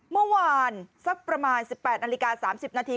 เมื่อวานสักประมาณ๑๘นาฬิกา๓๐นาที